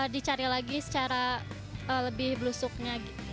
dicari lagi secara lebih belusuknya